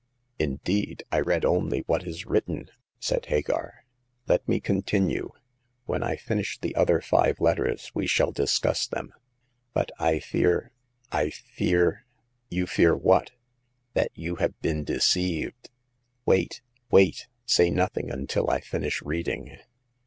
Indeed I read only what is written," said Hagar; "let me continue. When I finish the The Sixth Customer. 171 other five letters we shall discuss them. But I fear— I fear "You fear what?'' " That you have been deceived. Wait— wait ! say nothing until I finish reading."